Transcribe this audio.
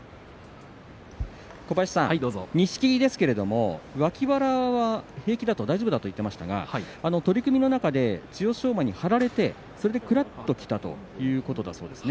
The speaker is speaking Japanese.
錦木ですけれども脇腹は平気だと、大丈夫だと言っていました、取り組みの中で千代翔馬に張られてそれで、くらっときたということだそうです。